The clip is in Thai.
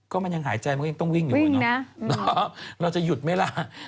ก็มันยังหายใจมันก็ยังต้องวิ่งอยู่อะเนาะเราจะหยุดไหมล่ะ